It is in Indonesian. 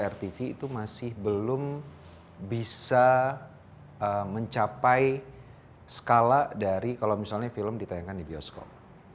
dan free to air tv itu masih belum bisa mencapai skala dari kalau misalnya film ditayangkan di geoscope